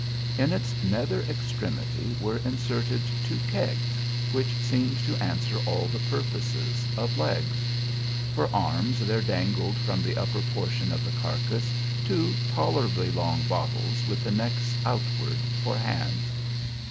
In its nether extremity were inserted two kegs, which seemed to answer all the purposes of legs. For arms there dangled from the upper portion of the carcass two tolerably long bottles with the necks outward for hands.